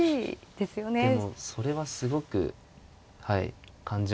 それはすごく感じますね。